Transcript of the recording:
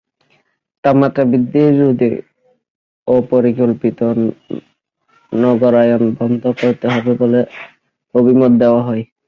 তাপমাত্রা বৃদ্ধি রোধে অপরিকল্পিত নগরায়ণ বন্ধ করতে হবে বলে অভিমত দেওয়া হয়।